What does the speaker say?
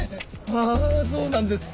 あぁそうなんです。